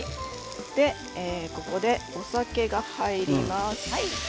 ここで、お酒が入ります。